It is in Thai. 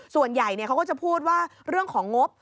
ส่วนใหญ่เขาก็จะพูดว่าเรื่องของงบ